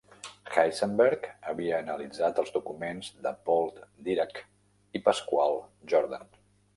Heisenberg havia analitzat els documents de Paul Dirac i Pascual Jordan.